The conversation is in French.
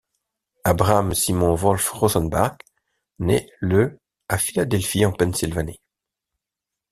Abraham Simon Wolf Rosenbach naît le à Philadelphie en Pennsylvanie.